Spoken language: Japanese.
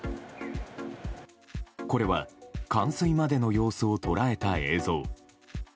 これは冠水までの様子を捉えた映像。